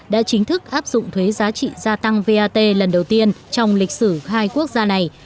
đã chính thức áp dụng thuế giá trị gia tăng vat lần đầu tiên trong lịch sử hai quốc gia này